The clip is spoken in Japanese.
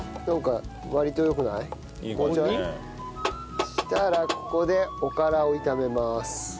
そしたらここでおからを炒めます。